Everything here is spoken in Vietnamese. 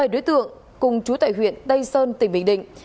bảy đối tượng cùng chú tại huyện tây sơn tỉnh bình định